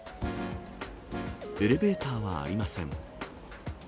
エレベーターはありません。